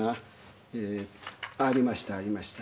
えーありましたありました。